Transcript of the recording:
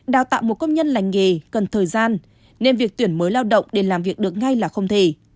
đào tạo một công nhân lành nghề cần thời gian nên việc tuyển mới lao động để làm việc được ngay là không thể